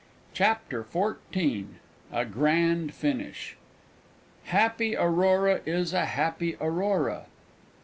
CHAPTER XIV A GRAND FINISH Happy Aurora is a happy Aurora!